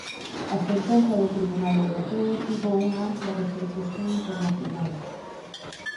A sentenza do tribunal europeo tivo unha ampla repercusión internacional.